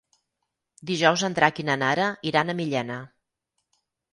Dijous en Drac i na Nara iran a Millena.